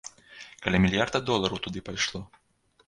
Каля мільярда долараў туды пайшло.